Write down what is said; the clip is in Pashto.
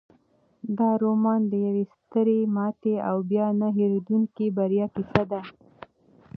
دا رومان د یوې سترې ماتې او بیا نه هیریدونکې بریا کیسه ده.